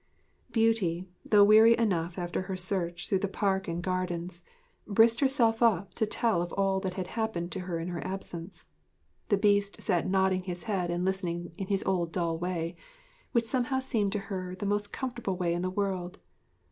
Beauty, though weary enough after her search through the park and gardens, brisked herself up to tell of all that had happened to her in her absence. The Beast sat nodding his head and listening in his old dull way which somehow seemed to her the most comfortable way in the world.